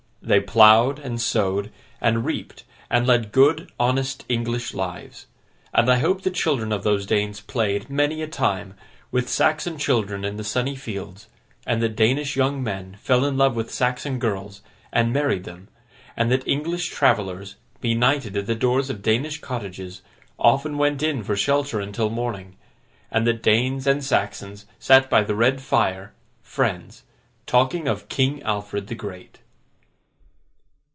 They ploughed, and sowed, and reaped, and led good honest English lives. And I hope the children of those Danes played, many a time, with Saxon children in the sunny fields; and that Danish young men fell in love with Saxon girls, and married them; and that English travellers, benighted at the doors of Danish cottages, often went in for shelter until morning; and that Danes and Saxons sat by the red fire, friends, talking of King Alfred the Great.